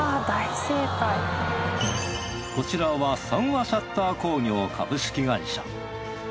こちらは三和シャッター工業株式会社。